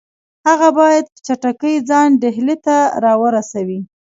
هغه باید په چټکۍ ځان ډهلي ته را ورسوي.